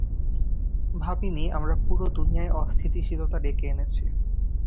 ভাবিনি, আমরা পুরো দুনিয়ায় অস্থিতিশীলতা ডেকে এনেছি।